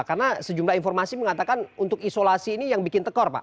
karena sejumlah informasi mengatakan untuk isolasi ini yang bikin tekor pak